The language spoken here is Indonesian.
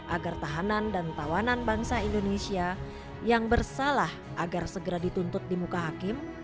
agar tahanan dan tawanan bangsa indonesia yang bersalah agar segera dituntut di muka hakim